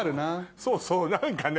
そうそう何かね。